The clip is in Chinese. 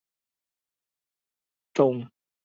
宽翼棘豆为豆科棘豆属下的一个种。